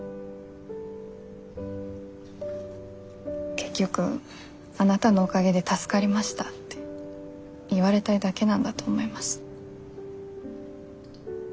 結局あなたのおかげで助かりましたって言われたいだけなんだと思います。